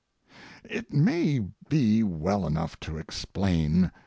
It may be well enough to explain.